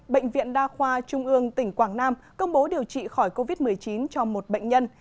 bệnh viện đa khoa trung ương tỉnh quảng nam công bố điều trị khỏi covid một mươi chín cho một bệnh nhân